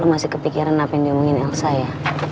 lo masih kepikiran apa yang diomongin elsa ya